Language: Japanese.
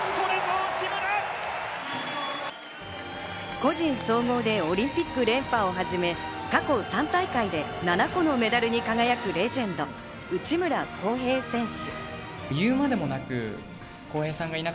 個人総合でオリンピック連覇をはじめ、過去３大会で７個のメダルに輝くレジェンド・内村航平選手。